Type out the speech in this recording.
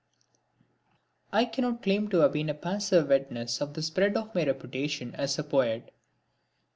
I cannot claim to have been a passive witness of the spread of my reputation as a poet.